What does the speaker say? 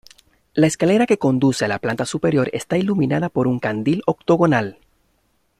La escalera que conduce a la planta superior está iluminada por un candil octogonal.